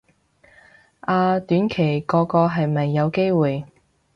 啊短期嗰個係咪有機會